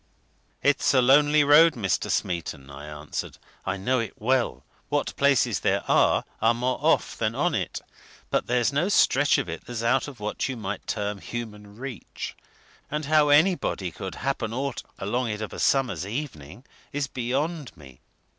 "It's a lonely road, Mr. Smeaton," I answered. "I know it well what places there are, are more off than on it, but there's no stretch of it that's out of what you might term human reach. And how anybody could happen aught along it of a summer's evening is beyond me!